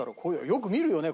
よく見るよね。